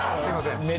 すみません。